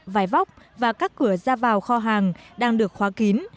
vài vóc và các cửa ra vào kho hàng đang được khóa kín